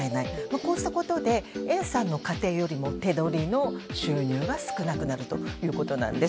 こうしたことでＡさんの家庭よりも手取りの収入が少なくなるということなんです。